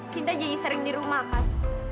sinta jadi sering di rumah kan